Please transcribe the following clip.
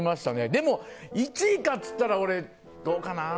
でも、１位かっつったら俺、どうかな。